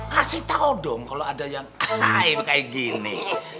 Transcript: kasih tau dong kalau ada yang kayak gini